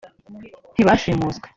ntibashimuswe